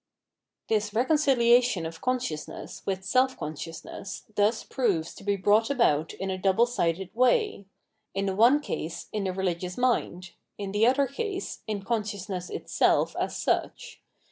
This reconciliation of consciousness with self con sciousness thus proves to be brought about in a double sided way ; in the one case, in the religious mind, in the other case, in consciousness itself as such.